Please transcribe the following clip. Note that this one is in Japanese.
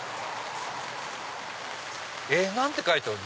えっ何て書いてある？